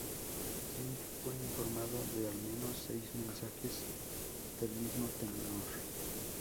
Smith fue informado de al menos seis mensajes del mismo tenor.